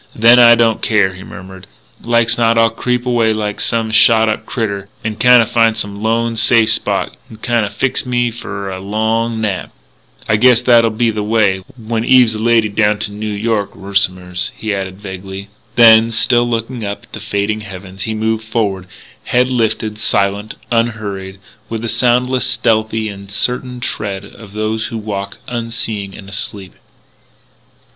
"Then I don't care," he murmured. "Like's not I'll creep away like some shot up critter, n'kinda find some lone, safe spot, n'kinda fix me f'r a long nap.... I guess that'll be the way ... when Eve's a lady down to Noo York 'r'som'ers " he added vaguely. Then, still looking up at the fading heavens, he moved forward, head lifted, silent, unhurried, with the soundless, stealthy, and certain tread of those who walk unseeing and asleep.